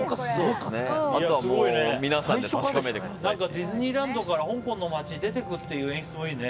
ディズニーランドから香港の街に出て行くという演出もいいね。